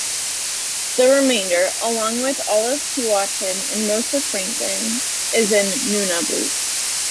The remainder, along with all of Keewatin and most of Franklin, is in Nunavut.